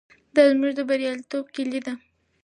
دا زموږ د بریالیتوب کیلي ده.